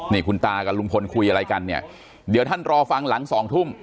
นี่คุณตากับลุงพลคุยอะไรกันเนี่ยเดี๋ยวท่านรอฟังหลังสองทุ่ม